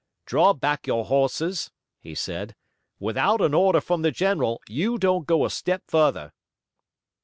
"Draw back your horses," he said. "Without an order from the general you don't go a step further."